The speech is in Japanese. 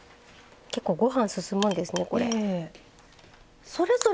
結構ご飯すすむんですねこれ。